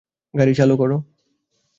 গাড়ী চালু করো।